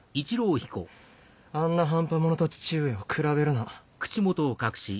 フッあんな半端者と父上を比べるな。